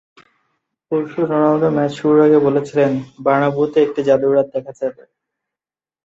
পরশু Ronaldo match শুরুর আগে বলেছিলেন, বার্নাব্যুতে একটি জাদুর রাত দেখা যাবে।